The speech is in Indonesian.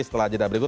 setelah jeda berikut